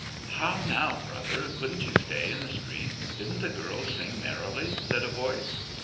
"How now, brother! couldn't you stay in the street.^ Didn't the girls sing merrily.^" said a voice.